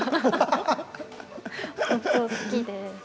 好きで。